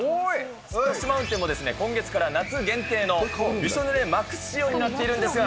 スプラッシュ・マウンテンも今月から夏限定のびしょぬれマックス仕様になっているんですが。